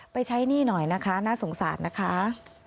ใช้หนี้หน่อยนะคะน่าสงสารนะคะ